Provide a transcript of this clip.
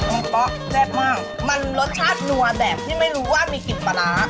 มันเป๊ะแซ่บมากมันรสชาตินัวแบบที่ไม่รู้ว่ามีกลิ่นปลาร้า